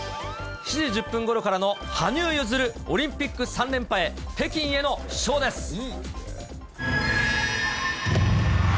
７時１０分ごろからの羽生結弦オリンピック３連覇へ、北京への飛翔です。